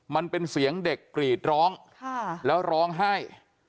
มันเป็นเสียงเด็กกรีดร้องแล้วร้องไห้